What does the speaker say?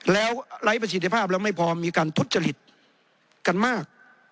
แล้วไร้ประสิทธิภาพแล้วไม่พอมีการทุจริตกันมาก